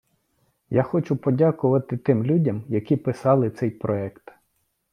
Я хочу подякувати тим людям, які писали цей проект.